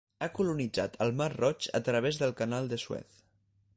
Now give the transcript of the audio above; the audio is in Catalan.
Ha colonitzat el Mar Roig a través del Canal de Suez.